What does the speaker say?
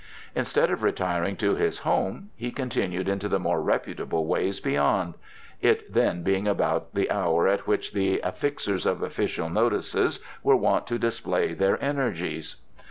Instead of retiring to his home he continued into the more reputable ways beyond, it then being about the hour at which the affixers of official notices were wont to display their energies.